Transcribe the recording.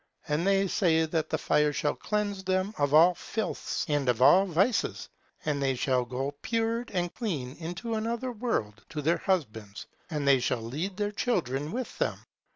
And they say that the fire shall cleanse them of all filths and of all vices, and they shall go pured and clean into another world to their husbands, and they shall lead their children with them.